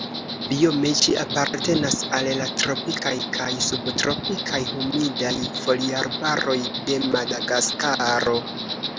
Biome ĝi apartenas al la tropikaj kaj subtropikaj humidaj foliarbaroj de Madagaskaro.